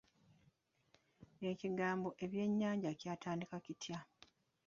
Ekigambo ebyennyanja kyatandika kitya?